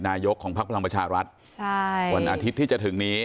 นายกของพักพลังประชารัฐวันอาทิตย์ที่จะถึงนี้